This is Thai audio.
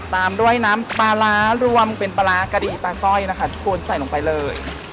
ตามด้วยน้ำปลาร้ารวมเป็นปลาร้ากะดีปลาสร้อยนะคะทุกคนใส่ลงไปเลย